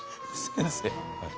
先生。